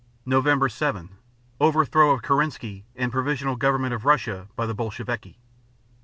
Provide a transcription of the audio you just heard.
_ Nov. 7 Overthrow of Kerensky and Provisional Government of Russia by the Bolsheviki.